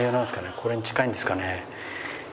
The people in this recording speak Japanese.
これに近いんですかね？